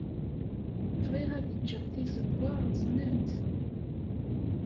Bɣiɣ ad ǧǧeɣ tizewwa reẓment.